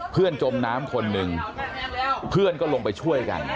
จมน้ำคนหนึ่งเพื่อนก็ลงไปช่วยกัน